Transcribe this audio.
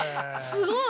◆すごい。